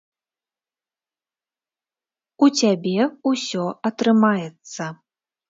У цябе ўсё атрымаецца.